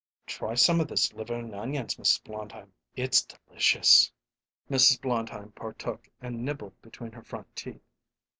"Try some of this liver and onions, Mrs. Blondheim; it's delicious." Mrs. Blondheim partook and nibbled between her front teeth.